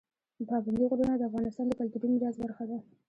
پابندی غرونه د افغانستان د کلتوري میراث برخه ده.